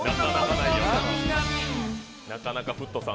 なかなかフットさん